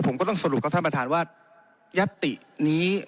ผมก็ต้องสรุปกับท่านประธานว่ายัตตินี้